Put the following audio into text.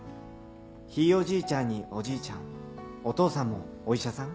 ひいおじいちゃんにおじいちゃんお父さんもお医者さん？